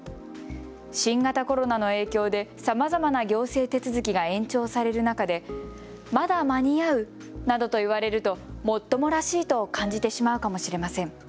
新型コロナの影響でさまざまな行政手続きが延長される中でまだ間に合うなどと言われるともっともらしいと感じてしまうかもしれません。